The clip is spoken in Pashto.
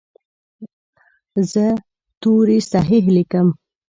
زه توري صحیح لیکم.